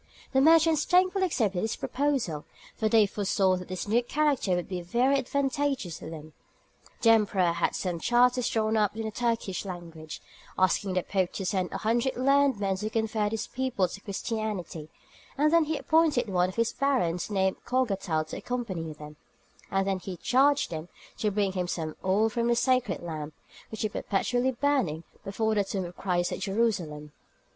The merchants thankfully accepted his proposal, for they foresaw that this new character would be very advantageous to them. The emperor had some charters drawn up in the Turkish language, asking the Pope to send a hundred learned men to convert his people to Christianity; then he appointed one of his barons named Cogatal to accompany them, and he charged them to bring him some oil from the sacred lamp, which is perpetually burning before the tomb of Christ at Jerusalem.